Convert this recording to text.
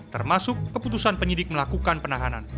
termasuk keputusan penyidik melakukan penahanan